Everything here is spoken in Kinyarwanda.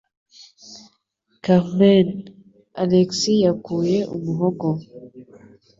Carmen," Alex yakuye umuhogo.